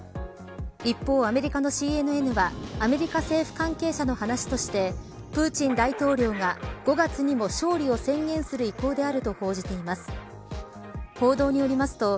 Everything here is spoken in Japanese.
一方、アメリカのＣＮＮはアメリカ政府関係者の話としてプーチン大統領が５月にも勝利を宣言する意向であると報じています。